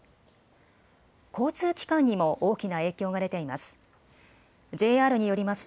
交通機関にも大きな影響が出ています。